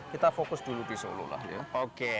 kita fokus dulu di solo lah ya